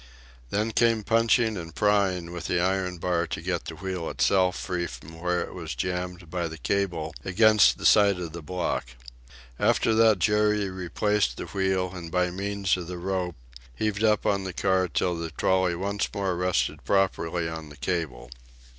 Then came punching and prying with the iron bar to get the wheel itself free from where it was jammed by the cable against the side of the block. After that Jerry replaced the wheel, and by means of the rope, heaved up on the car till the trolley once more rested properly on the cable.